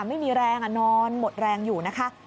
ไม่มีแรงนอนหมดแรงอยู่นะคะ